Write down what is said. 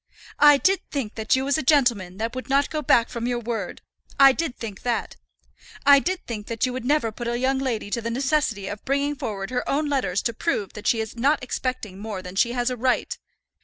I did think that you was a gentleman that would not go back from your word. I did think that. I did think that you would never put a young lady to the necessity of bringing forward her own letters to prove that she is not expecting more than she has a right!